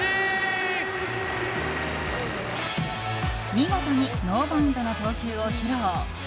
見事にノーバウンドの投球を披露。